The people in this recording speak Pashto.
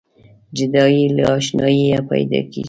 جدایي له اشناییه پیداکیږي.